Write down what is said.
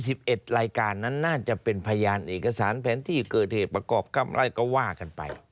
สิบเอ็ดรายการนั้นน่าจะเป็นพยานเอกสารแผนที่เกิดเหตุประกอบกรรมอะไรก็ว่ากันไป